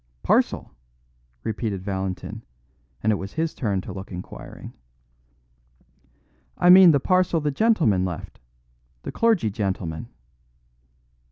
"Parcel?" repeated Valentin; and it was his turn to look inquiring. "I mean the parcel the gentleman left the clergyman gentleman."